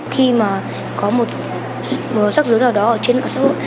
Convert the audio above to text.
khi mà có một sắc dứt nào đó trên mạng xã hội